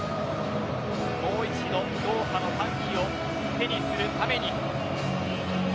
もう一度ドーハの歓喜を手にするために。